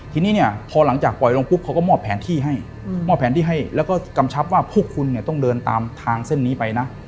ทีนี้เนี่ยพอหลังจากปล่อยลงปุ๊บเขาก็มอบแผนที่ให้มอบแผนที่ให้แล้วก็กำชับว่าพวกคุณเนี่ยต้องเดินตามทางเส้นนี้ไปนะ